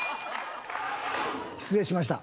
失礼しました。